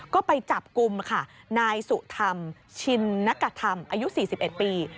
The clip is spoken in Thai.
ก็ไปจับกลุ่มค่ะนายสุธรรมชินนกธรรมอายุ๔๑ปี